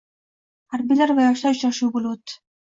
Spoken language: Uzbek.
Harbiylar va yoshlar uchrashuvi bo‘lib o‘tdi